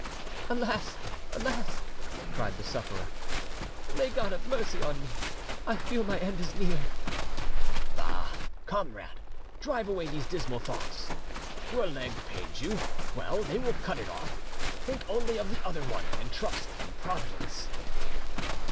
"Alas! alas!" cried the sufferer; "may God have mercy on me! I feel my end is near." "Bah! comrade, drive away these dismal thoughts. Your leg pains you—well they will cut it off! Think only of the other one, and trust in Providence!"